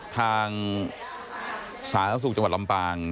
ทางสาธารณสุขจังหวัดลำปาง